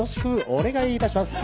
お願いします